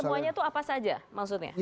semuanya itu apa saja maksudnya